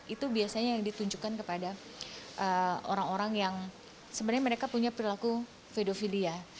itu biasanya yang ditunjukkan kepada orang orang yang sebenarnya mereka punya perilaku pedofilia